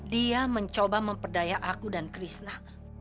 dia mencoba memperdaya aku dan krisna